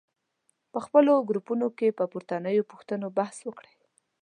په خپلو ګروپونو کې پر پورتنیو پوښتنو بحث وکړئ.